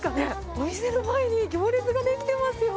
お店の前に行列が出来てますよ。